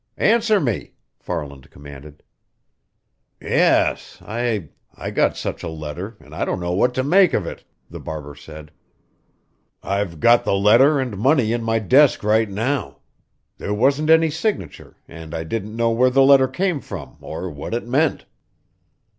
"Answer me!" Farland commanded. "Yes, I I got such a letter and I don't know what to make of it," the barber said. "I've got the letter and money in my desk right now. There wasn't any signature, and I didn't know where the letter came from, or what it meant."